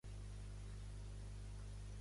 El meu fill es diu Aran: a, erra, a, ena.